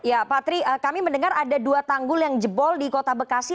ya pak tri kami mendengar ada dua tanggul yang jebol di kota bekasi